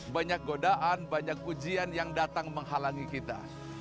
banyak godaan banyak ujian yang datang menghalangi kita